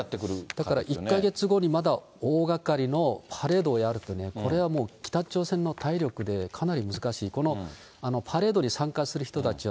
だから１か月後にまだ大がかりのパレードをやると、これはもう、北朝鮮の体力でかなり難しい、このパレードに参加する人たちは、